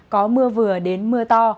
có mưa vừa đến mưa to